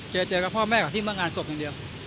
เจอเจอกับพ่อแม่กับที่มางานศพนึงดี